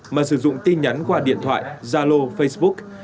mà sử dụng tin nhắn qua điện thoại gia lô facebook